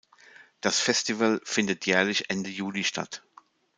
Das Festival findet jährlich Ende Juli statt.